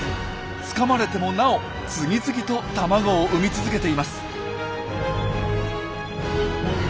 つかまれてもなお次々と卵を産み続けています。